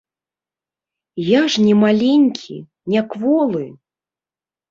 Я ж не маленькі, не кволы!